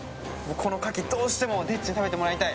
このカキどうしてもでっちに食べてもらいたい。